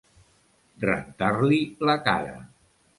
Rentar-li la cara.